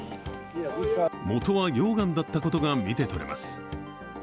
もとは溶岩だったことが見て取れます。